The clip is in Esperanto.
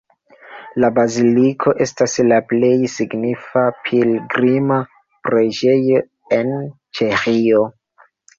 La baziliko estas la plej signifa pilgrima preĝejo en Ĉeĥio.